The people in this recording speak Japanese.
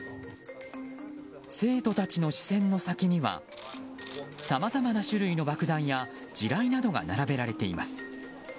生徒たちの視線の先にはさまざまな種類の爆弾や地雷などが並べられています。